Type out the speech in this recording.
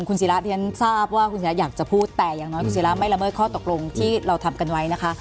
คุณศิราที่ฉันทราบว่าคุณศิราอยากจะพูดแต่อย่างน้อยคุณศิราไม่ละเมิดข้อตกลงที่เราทำกันไว้นะคะ